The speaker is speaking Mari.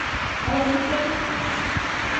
— Ала кӱтен омыл?